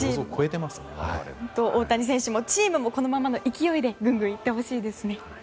大谷選手も、チームもこのままの勢いでぐんぐん行ってほしいですね。